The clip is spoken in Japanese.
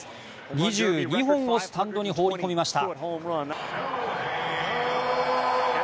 ２２本をスタンドに放り込みました。